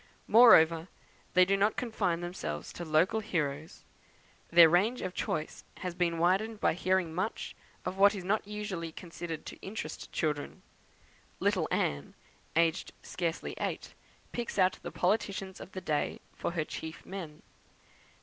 Moreover, they do not confine themselves to local heroes; their range of choice has been widened by hearing much of what is not usually considered to interest children. Little Anne, aged scarcely eight, picks out the politicians of the day for her chief men.